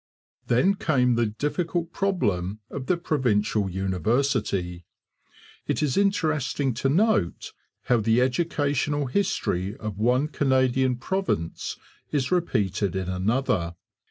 Then came the difficult problem of the provincial university. It is interesting to note how the educational history of one Canadian province is repeated in another.